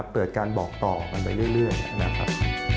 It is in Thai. เกิดการบอกต่อกันไปเรื่อยนะครับ